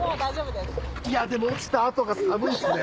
でも落ちた後が寒いっすね。